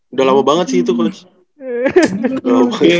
udah lama banget sih itu coach